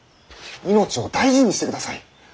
命を大事にしてください。